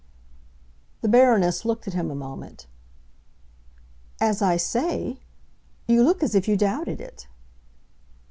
The Baroness looked at him a moment. "As I say? You look as if you doubted it."